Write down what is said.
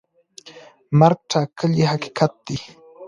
مرګ ټاکلی حقیقت دی.